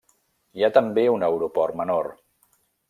Hi ha també un aeroport menor.